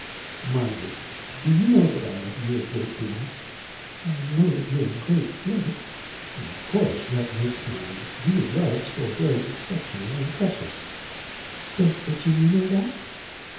"Margaret, do you know that I love you a great deal?" "I know that you are a great flirt." "Of course. That makes my real love so very exceptional and precious." "Does Virginia know that?"